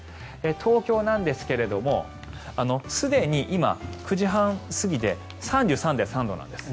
東京なんですがすでに今、９時半過ぎで３３．３度なんです。